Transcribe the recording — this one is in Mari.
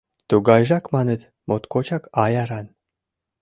Тугайжак, маныт, моткочак аяран.